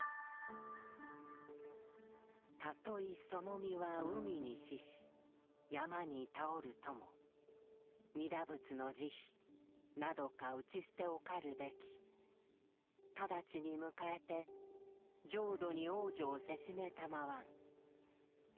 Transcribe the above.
「たといその身は海に死し山に斃るとも弥陀仏の慈悲などか打ち棄ておかるべき直ちに迎えて浄土に往生せしめ給わん」。